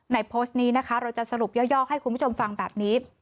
โพสต์นี้นะคะเราจะสรุปย่อให้คุณผู้ชมฟังแบบนี้